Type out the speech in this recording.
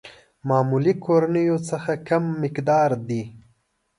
معمولي کورنيو څخه کم مقدار دي.